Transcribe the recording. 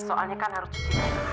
soalnya kan harus cuci